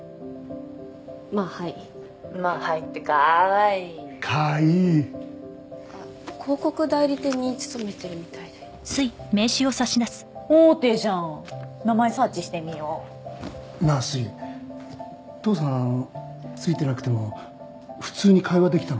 まあはい「まあはいってかかわいい広告代理店に勤めてるみたいで大手じゃん名前サーチしてみようなあすい父さんついてなくても普通に会話できたのか？